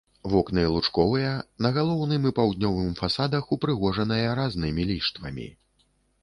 Вокны лучковыя, на галоўным і паўднёвым фасадах упрыгожаныя разнымі ліштвамі.